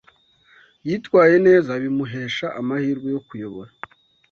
Yitwaye neza, bimuhesha amahirwe yo kuyobora